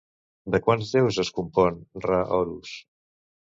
De quants déus es compon Ra-Horus?